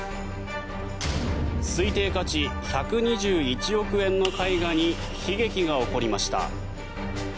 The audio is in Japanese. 推定価値１２１億円の絵画に悲劇が起こりました。